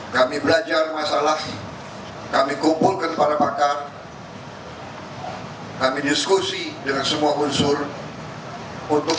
kami belajar masalah kami kumpulkan para pakar kami diskusi dengan semua unsur untuk